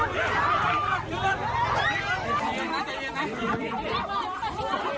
มาเย็นมาเย็นมาเย็นมาเย็น